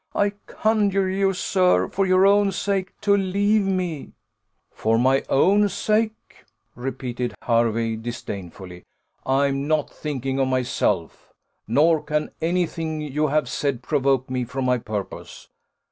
I conjure you, sir, for your own sake, to leave me." "For my own sake!" repeated Hervey, disdainfully: "I am not thinking of myself; nor can any thing you have said provoke me from my purpose.